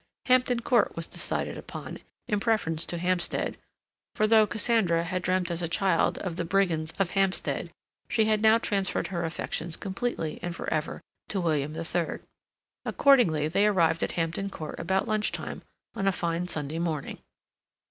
Hampton Court was decided upon, in preference to Hampstead, for though Cassandra had dreamt as a child of the brigands of Hampstead, she had now transferred her affections completely and for ever to William III. Accordingly, they arrived at Hampton Court about lunch time on a fine Sunday morning.